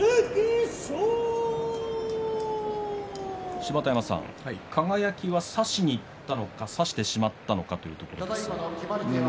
芝田山さん、輝は差しにいったのか差してしまったのかですね。